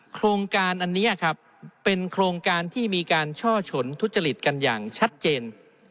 โครงการอันนี้ครับเป็นโครงการที่มีการช่อฉนทุจริตกันอย่างชัดเจน